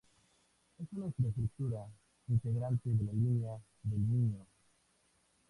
Es una infraestructura integrante de la Línea del Miño.